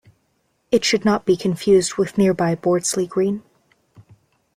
It should not be confused with nearby Bordesley Green.